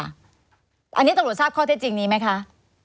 อันนี้ตำรวจทราบข้อเท็จจริงนี้ไหมคะ